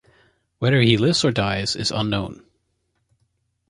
Whether he lives or dies is unknown.